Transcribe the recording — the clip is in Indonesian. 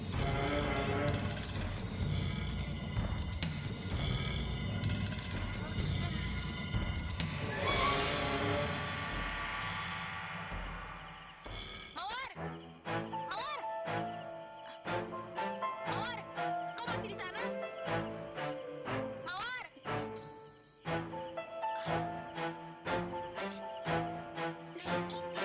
saya sedang menunggu